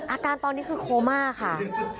อาการตอนนี้คือโคม่าค่ะ